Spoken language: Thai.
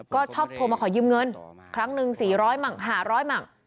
ก็ชอบโทรมาขอยืมเงินครั้งหนึ่ง๔๐๐มั่ง๕๐๐มั่ง